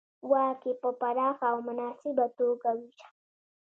واک یې په پراخه او مناسبه توګه وېشه